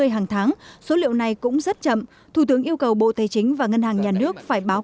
hàng tháng số liệu này cũng rất chậm thủ tướng yêu cầu bộ tài chính và ngân hàng nhà nước phải báo